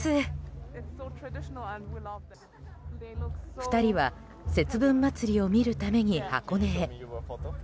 ２人は節分祭を見るために箱根へ。